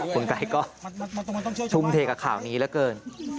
คุณไกรก็ชุ่มเทกดับข่าวนี้ละเกิน